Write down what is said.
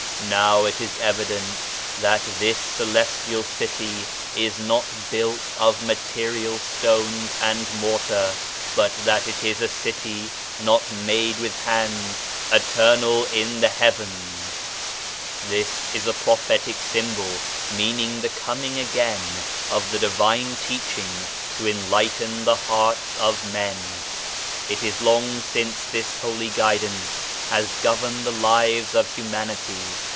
Now it is evident that this celestial city is not built of material stones and mor tar, but that it is a city not made with hands, eternal in the Heavens 1 This is a prophetic symbol, meaning the coming again of the Divine Teaching to enlighten the hearts of men. It is long since this Holy Guidance has governed the lives of Humanity.